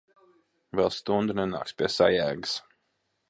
Vēl stundu nenāks pie sajēgas.